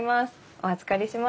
お預かりします。